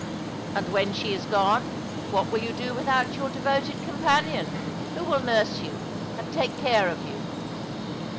" And when she is gone, what will you do without your devoted companion? Who will nurse you and take cara of you?"